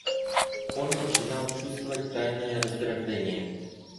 Он начинал чувствовать тайное раздражение.